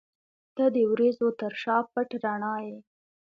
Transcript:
• ته د وریځو تر شا پټ رڼا یې.